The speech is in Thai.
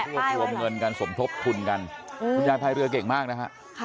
มีภาพที่วังเงินคุกกับจริงกว่าเงินก็แทรกมากนะคะ